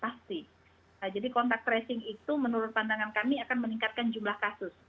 pasti jadi kontak tracing itu menurut pandangan kami akan meningkatkan jumlah kasus